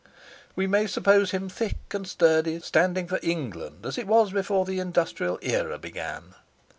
"We may suppose him thick and sturdy, standing for England as it was before the Industrial Era began.